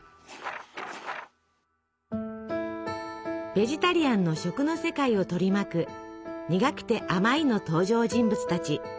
ベジタリアンの食の世界を取り巻く「にがくてあまい」の登場人物たち。